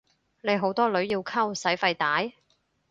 你好多女要溝使費大？